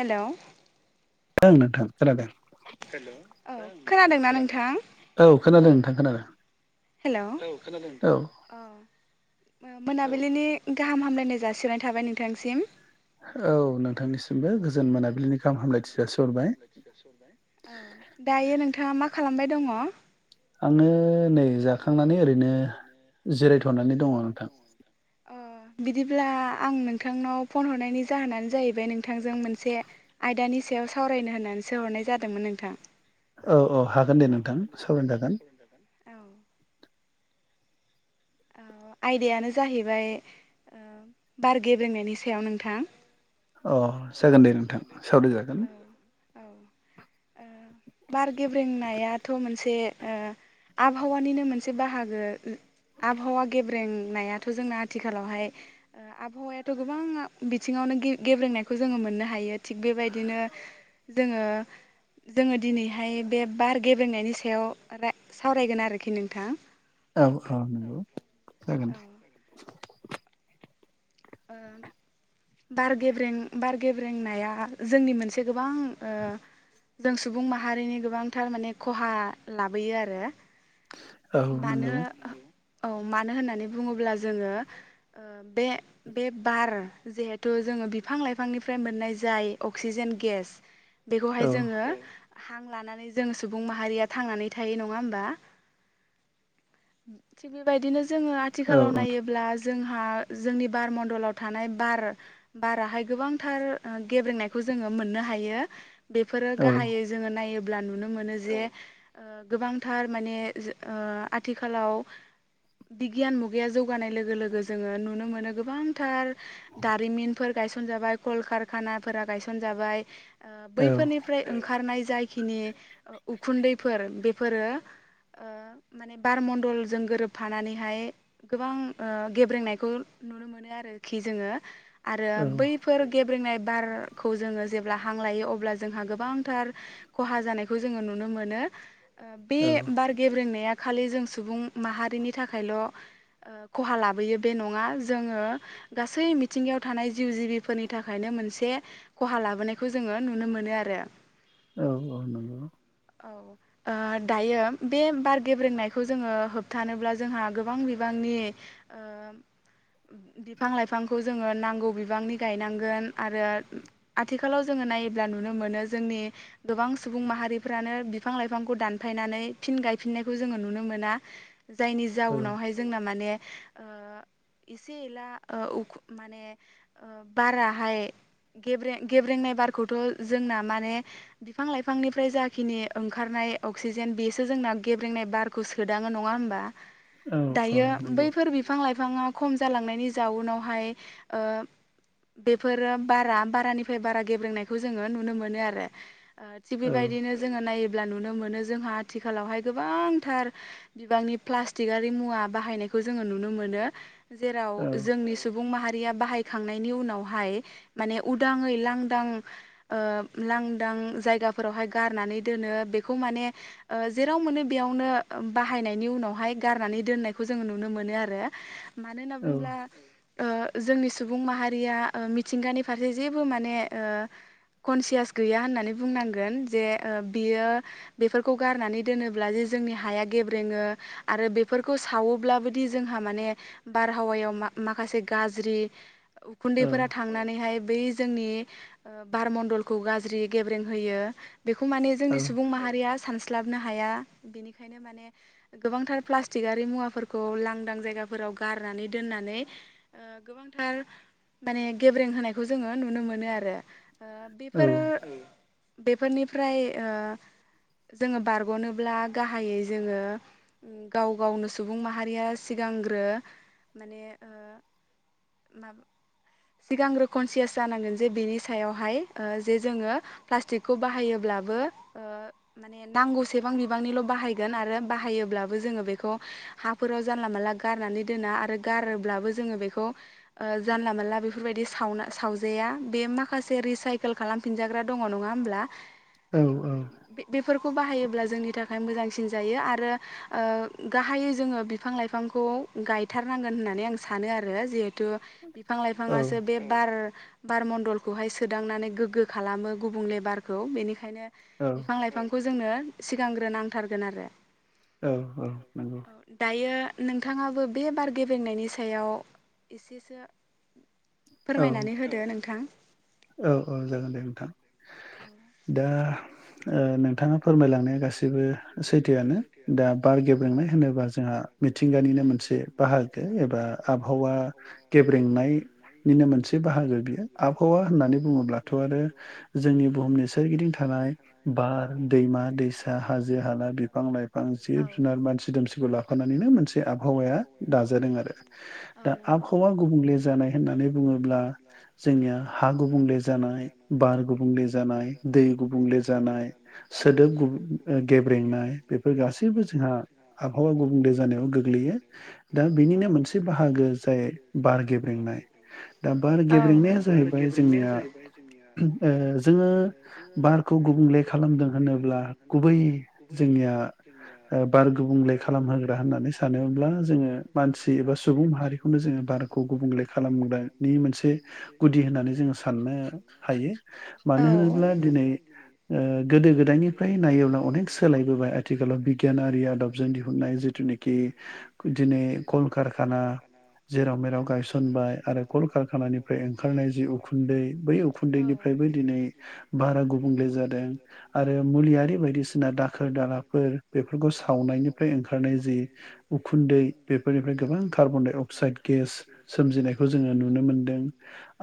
हेल' ओं नोंथां खोनादों हेल औ खोनादोंना नोंथां औ खोनादों नोंथां खोनादों हेल' अ मोनाबिलिनि गाहाम हामलायनाय जासिोननाय थाबाय नोंथांसिम औ नोंथांनिसिमबो गोजोन मोनाबिलिनि गाहाम हामलायथिया सोहरबाय औ दायो नोंथाङा मा खालामबाय दङ? आङो नै जाखांनानै ओरैनो जिरायथ'नानै दङ नोंथां। अ बिदिब्ला आं नोंथांनाव फन हरनायनि जाहोनानो जाहैबाय नोंथांजों मोनसे आयदानि सायाव सावरायनो होननानैसो हरनाय जादोंमोन नोंथां औ औ हागोन दे नोंथां सावरायनोजागोन आयदायानो जाहैबाय बार गेब्रेनायनि सायाव नोंथां अ जागोन दे नोंथां सावराय जागोन औ ओ बार गेब्रेंनायाथ' मोनसे ओ आबहावानिनो मोनसे बाहागो आबहावा गेब्रेंनायाथ' जोंना आथिखालावहाय आबहावायाथ' गोबां बिथिङावनो गेब्रेनायखौ जोङो मोननो हायो थिग बेबायदिनो जोङो जोङो दिनैहाय बे बार गेबेंनायनि सायाव सावरायगोन आरोखि नोंथां औ औ नंगौ जागोन दे ओ बारगेब्रें बार गेब्रेंनाया जोंनि मोनसे गोबां जों सुबुं माहारिनि गोबांथार माने खहा लाबोयो आरो मानो औ मानो होननानै बुङोब्ला जोङो ओ बे बे बार जिहेथु जोङो बिफां लाइफांनिफ्राय मोननाय जाय अक्सिजेन गेस बेखौहाय जोङो हां लानानै जों सुबुं माहारिया थांनानै थायो नङा होमबा थिग बेबायदिनो जोङो आथिखालाव नायो ब्ला जोंहा जोंनि बार मण्डलाव थानाय बार बाराहाय गोबांथार गेब्रेनायखौ जोङो मोननो हायो बेफोरो गाहायै जोङो नायोब्ला नुनो मोनो जे ओ गोबांथार माने ओ आथिखालाव बिगियान मुगाया जौगानाय लोगो लोगो जोङो नुनो मोनो गोबांथार दारिमिनफोर गायसनजाबाय कलकारखानाफोरा गायसनजाबाय ओ बैफोरनिफ्राय ओंखारनाय जायखिनि उखुन्दैफोर बेफोरो ओ माने बार मडलजों गोरोबफानानैहाय गोबां ओ गेब्रेंनायखौ नुनो मोनो आरोखि जोङो आरो बै फोर गेब्रेंनाय बारखौ जोङो जेब्ला हां लायो अब्ला जोंहा गोबांथार खहा जानायखौ जोङो नुनो मोनो ओ बे बार गेब्रेंनाया खालि जों सुबुं माहारिनि थाखायल' खहा लाबोयो बे नङा जोङो गासै मिथिंगायाव थानाय जिउ जिबिफोरनि थाखायनो मोनसे खहा लाबोनायखौ जोङो नुनो मोनो आरो औ औ नंगौ औ दायो बे बार गेब्रेंनायखौ जोङो होबथानोब्ला जोंहा गोबां बिबांनि बिफां लाइफांखौ जोङो नांगौ बिबांनि गायनांगोन आरो आथिखालाव जोङो नायोब्ला नुनो मोनो जोंनि गोबां सुबुं माहारिफ्रानो बिफां लाइफांखौ दानफायनानै फिन गायफिननायखौ जोङो नुनो मोना जायनि जाउनावहाय जोंना माने ओ एसे एला ओ उ माने अ बाराहायब गेब्रेंनाय बारखौथ' जोंना माने बिफां लाइफांनिफ्राय जाखिनि ओंखारनाय अक्सिजेन बिस बिखौ जोंना गेब्रेंनाय बारखौ सोदाङो नङा होनबा दायो बैफोर बि बिफां लाइफाङा खम जालांनायनि जाउनावहाय ओ बेफोरो बारा बारानिफ्राय बारा गेब्लेनायखौ जोङो नुनो मोनो आरो अ थिग बेबायदिनो जोङो नायोब्ला नुनो मोनो जोंहा आथिखालावहाय गोबांथार बिबांनि फ्लास्टिआरि मुवा बाहायनायखौ जोङो नुनो मोनो जेराव जोंनि सुबुं माहारिया बाहायखांनायनि उनावहाय माने उदाङै लांदां ओ लांदां जायगाफोरावहाय गारनानै दोनो बेखौ माने ओ जेराव मोनो बेयावनो बाहायनायनि उनावहाय गारनानै दोननायखौ जोङो नुनो मोनो आरो मानो होनना बुङोब्ला ओ जोंनि सुबुं माहारिया ओ मिथिंगानि फारसे जेबो माने ओ कनसियास गैया होननानै बुंनांगोन जे ओ बियो बेफोर खौ गारनानै दोनोब्ला जे जोंनि हाया गेब्रेङो आरो बेफोरखौ सावोब्लाबोदि जोंहा माने बारहावायाव मा माखासे गाज्रि उखुन्दैफोरा थांनानैहाय बै जोंनि बारमण्न्दलखौ गाज्रि गेब्रें होयो बेखौ माने जोंनि सुबुं माहारिया सानस्लाबनो हाया बेनिखायनो माने गोबांथार प्लास्टिआरि मुवाफोरखौ लांदां जायगाफीराव गारनानै दोननानै ओ गोबांथार माने गेब्रें होनायखौ जोङो नुनो मोनो आरो ओ बेफोर बेफोरनिफ्राय ओ जोङो बारग'नोब्ला गाहायै जोङो गाव गावनो सुबुं माहारिया सिगांग्रो माने ओ म [unintelligible] सिगांग्रो कनसियास जानांगोन जे बिनि सायावहाय ओ जे जोङो प्लास्टिकखौ बाहायोब्लाबो ओ माने नांगौसेबां बिबांनिल' बाहायगोन आरो बाहायोब्लाबो जोङो बेखौ हाफोराव जानला मोनानला गारनानै दोना आरो गारोब्लाबो जोङो बेखौ ओ जानला मोनानला बेफोरबायदि सावना सावजाया बे माखासे रिसाइकेल खालाम फिनजाग्रा दङ नङा होमब्ला औ औ बेफोरखौ बाहायोब्ला जोंनि थाखाय मोजांसिन जायो आरो ओ गाहायै जोङो बिफां लाइफांखौ गायथारनांगोन होननानै आं सानो आरो जिहेथु बिफां लाइफाङासो बे बार बार मन्दलखौहाय सोदांनानै गोग्गो खालामो गुबुंलेबारखौ बेनिखायनो बिफां लाइफां बेखौ जोंनो सिगांग्रो नांथारगोन आरो औ औ औ दायो नोंथाङाबो बे बार गेबेंनायनि सायाव एसे सो फोरमायनानै होदो नोंथां औ औ जागोन दे नोंथां दा ओ नोंथाङा फोरमायलांनाया गासैबो सैथोआनो दा बार गेब्रेंनाय होनोबा जोंहा मिथिंगानिनो मोनसे बाहागो एबा आबहावा गेब्रेंनाय निनो मोनसे बाहागो बियो आबहावा होननानै बुङोब्लाथ' आरो जोंनि बुहुमनि सोरगिदिं थानाय बार दै आ दैसा हाजो हाला बिफां लाइफां जिब जुनार मानसि दुमसिखौ लाफानानैनो मोनसे आबहावाया दाजादों आरो दा आबहावा गुबुंले जानाय होननानै बुङोब्ला जोंनिया हा गुबुंले जानाय बार गुबुंले जानाय दै गुबुंले जानाय सो सोदोब गु गेब्रेंनाय बेफोर गासैबो जोंहा आबहावा गुबुंले जानायाव गोग्लैयो। दा बेनिनो मोनसे बाहागो जाय बार गेब्रेंनाय दा बार गेब्रेंनाया जाहैबा बाय जोंनिया ओ जोङो बारखौ गुबुंले खालामदों होनो अब्ला गुबै जोंनिया ओ बार गुबुंले खालामहोग्रा होननानै सानोब्ला जोङो मानसि एबा सुबुं माहारिखौनो जोङो बार खौ गुबुंले खालाम बा नि मोनसे गुदि होनना नै जों साननो हायो मानो होनोब्ला दिनै ओ गोदो गोद दायनिफ्राय नायोब्ला अनेक सोलायबोबाय आथिखालाव बिगियानारि आदबजों दिहुननाय जिथुनिखि। दिनै कलकारखाना जेराव मेराव गायसनबाय आरो कल कारखानानिफ्राय ओंखारनाय जिव उखुन्दै बै उखुन्दैनिफ्रायबो दिनै बार गुबुंले जादों आर रो मुलियारि बायदिसिना दाखोर दालाफोर बेफोरखौ सावनायनिफ्राय ओंखारनाय जायो उखुन्दै बेफोरनिफ्राय गोबां कार्बन डाइ अक्साइद गेस सोमजिनायखौ जोङो नुनो मोनदों।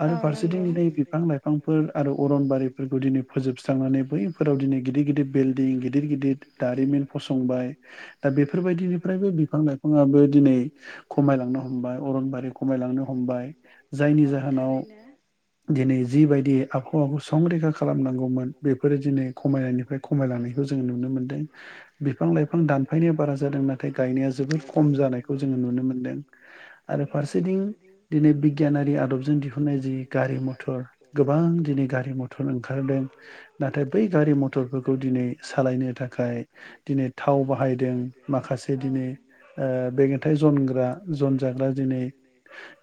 आरो। फारसेथिंनिफ्राय बिफां लाइफांफोर आरो अरनबारिफोरखौ दिनै फोजोबस्रांनानै बैफोराव दिनै। गिदिर गिदिर बिल्डं गिदिर गिदिर दारिमिन फसंबाय दा बेफोरबायदिनिफ्रायबो बिफां लाइफ फांङाबो दिनै खमायलांनो हमबाय अरनबारि खमायलांनो हमबाय जायनि जाहोनाव। [unintelligible] दिनै जिबायदि आबहावाखौ संरैखा खालामनांगौमोन बेफोरो दिनै खमाय निफ्राय खमायलांनायखौ जों नुनो मोनदों बिफां लाइफां दानफायनाया बारा जादों ना नाथाय गायनाया जोबोद खम जानायखौ जोङो नुनो मोनदों आरो फारसेथिं दिनै बिगियानारि आदबजों दिहुननाय जि गारि मथर गोबां दिनै गारि मथर ओंखारदों नाथाय बै गारि मथ थरफोरखौ दिनै सालायनो थाखाय दिनै थाव बाहायदों माखासे दिनै। ओ बेगेंन्थाइ जनग्रा जन जाग्रा दिनै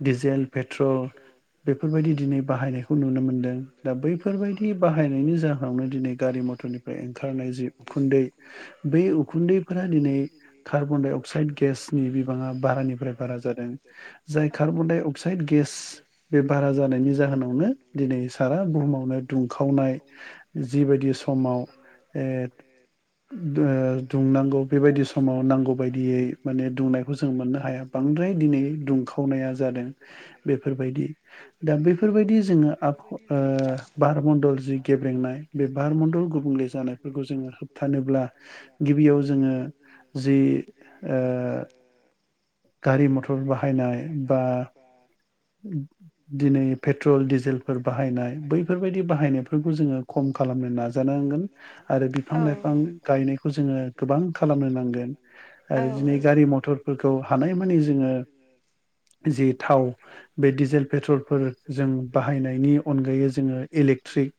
डिजेल पेट्रल। बेफोरबायदि दिनै बाहायनायखौ नुनो मोनदों दा बैफोरबायदि बाहायनायनि जाहोनावनो दिनै। गारि मथरनिफ्राय ओंखारनाय जि उखुन्दै बै उखुन्दैफोरा दिनै। कार्बनडाइ अक्साइड गेसनि बिबाङा बारानिफ्राय बारा जादों। जाय कार्बनडाइ अक्साइद गेस बे बारा जानायनि जाहोनावनो दिनै सारा बुहुमावनो दुंखावनाय जा जिबायदि समाव ओत दो दुंनांगौ बेबायदि समाव नांगौ बायदियै माने दुंनायखौ जों मोननो हाया। बांद्राय दिनै दुंखावनाया जादों बेफोरबायदि दा बेफ फोरबायदि जोङो आबह ओ बारमण्डल जों गेब्रेंनाय। बे बारमन्डल गुबुंले जानायफोरखौ जोङो होबथानोब्ला। गिबियाव जोङो जि ओ गारि मथर बाहायनाय बा उम दिनै पेट्रल डिजेलफोर बाहायनाय बैफोरबायदि बाहायनायफोरखौ जोङो खम खालामनो नाजानांगोन। आरो बिफां लाइफां गायनायखौ जोङो गोबां खालामनो नांगोन। औ। जि थाव बे डिजेल पेट्रल फोर जों बाहायनायनि अनगायै जोङो इलेक्ट्रिक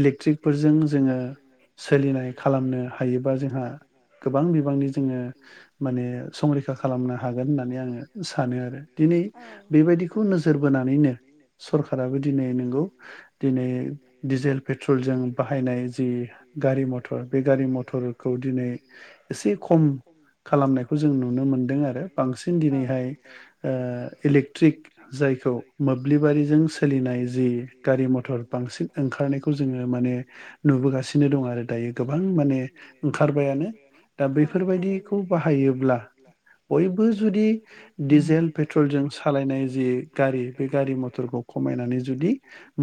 इलेक्ट्रिकफोरजों जोङो सोलिनाय खालामनो हायोबा जोंहा गोबां बिबांनि जोङो माने संरैखा खालामनो हागोन होननानै आङो सानो आरो दिनै बेबायदि खौ नोजोर बोनानै। नो सरखाराबो दिनै नोंगौ दिनै दिजेल पेट्रलजों बाहायनाय जि। गारि मथर बे गारि मथरखौ दिनै एसे खम। खालामनायखौ जों नुनो मोनदों आरो बांसिन दिनैहाय ओ इलेक्ट्रिक जायखौ मोब्लिबारिजों सोलिनाय जि गारि मथर बांसिन ओंखारनायखौ जोङो माने नुबोगासिनो दं आरो दायो गोबां माने ओंखारबायानो दा बैफोरबायदि खौ बाहायोब्ला बयबो जुदि डिजेल पेट्रलजों सालायनाय जि गारि, बे गारि मथरखौ खमायनानै जुदि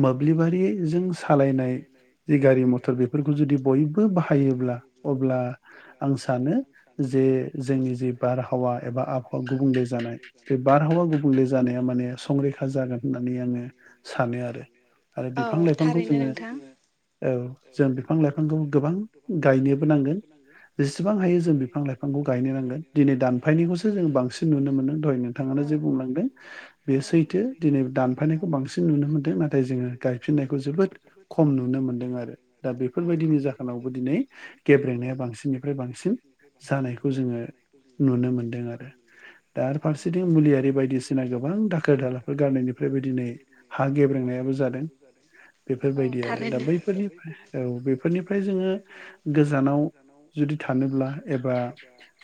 मोब्लिबारिजों सालायनाय जि गारि मथर बेफोरखौ जुदि बयबो बाहायोब्ला अब्ला आं सानो जे जोंनि जे बारहावा एबा आबहावा गुबुंले जानाय बे बारहावा गुबुंले जानाय नाया माने संरै खा जागोन होननानै आङो सानो आरो। आरो बिफां लाइफांखौ जोङो औ जों बिफां लाइफांखौ गोबां गायनोबो नांगोन। जेसेबां हायो जों बिफां लाइफांखौ गायनो नांगोन दिनै दानफायनायखौसो जों बांसिन नुनो मोनो, दहय नोंथाङानो जे बुंलांदों बे सैथो। दिनै दानफायनायखौ बांसिन नुनो मोन्दों नाथाय जोङो गायफिननायखौ जोबोद खम नुनो मोन्दों आरो। दा बेफोरबायदिनि जाहोनावबो दिनै गेब्रेंनाया बांसिननिफ्राय बांसिन जानायखौ जोङो नुनो मोनदों आरो। दा फारसेथिं मुलियारि बायदिसिना गोबां दाखोर दालाफोर गारनायनिफ्रायबो दिनै हा गेब्रेंनायाबो जादों। बेफोरबायदि आरो दा बैफोरनिफ्राय ओ बेफोरनिफ्राय जोङो गोजानाव जुदि थानोब्ला एबा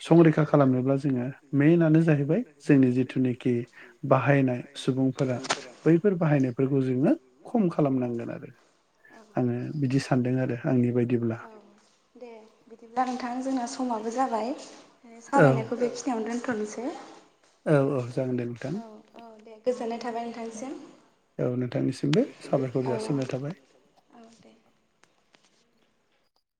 संरैखा खालामनोब्ला जोङो मेइनानो जाहैबाय जोंनि जिथुनाखि बाहायनाय सुबुं फोरा बैफोर बाहायनायफोरखौ जोङो खम खालामनांगोन आरो। आङो बिदि सानदों आरो आंनि बायदिब्ला। दे बिदिब्ला नोंथां जोंना समाबो जाबाय सावरायनायखौ बे खि यावनो दोनथ'नोसै। औ औ जागोन दे नोंथां। अ दे। गोजोननाय थाबाय नोंथांसिम। औ नोंथांनिसिमबो साबायखर जासिनाय थाबाय।